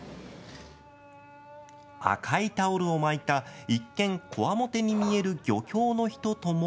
赤いタオルを巻いた一見、こわもてに見える漁協の人とも。